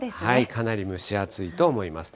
かなり蒸し暑いと思います。